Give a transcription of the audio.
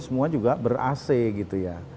semua juga ber ac gitu ya